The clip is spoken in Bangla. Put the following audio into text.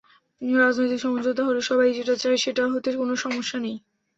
রাজনৈতিক সমাঝোতা হলে সবাই যেটা চায়, সেটা হতে কোনো সমস্যা নেই।